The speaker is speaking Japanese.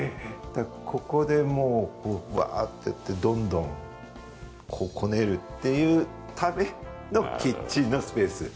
ここでもうブワーッてやってどんどんこねるっていうためのキッチンのスペースです。